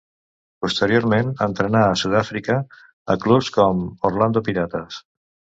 Posteriorment entrenà a Sud-àfrica, a clubs com Orlando Pirates.